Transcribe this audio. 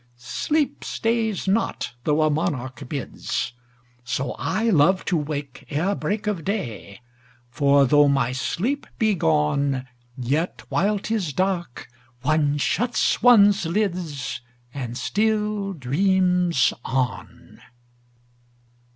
10 Sleep stays not, though a monarch bids: So I love to wake ere break of day: For though my sleep be gone, Yet while 'tis dark, one shuts one's lids, And still dreams on.